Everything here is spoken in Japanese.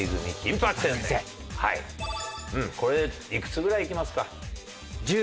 これいくつぐらいいきますか？